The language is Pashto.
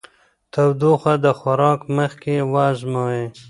تودوخه د خوراک مخکې وازمویئ.